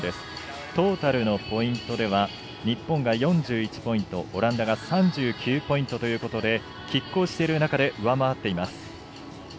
トータルのポイントでは日本が４１ポイントオランダが３９ポイントということできっ抗している中で上回っています。